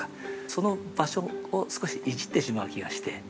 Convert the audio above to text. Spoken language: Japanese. その場所を少しいじってしまう気がして。